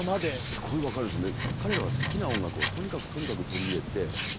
すごい分かるんですね。